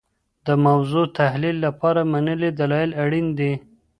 د موضوع تحلیل لپاره منلي دلایل اړین دي.